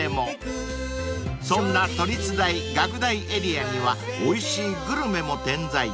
［そんな都立大学大エリアにはおいしいグルメも点在］